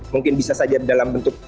mungkin bisa saja dalam bentuk